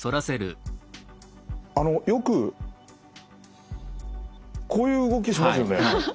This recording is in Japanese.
よくこういう動きしますよね。